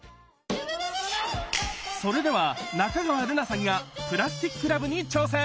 それでは仲川瑠夏さんが「プラスティック・ラブ」に挑戦！